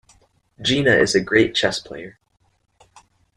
Gina is a great chess player.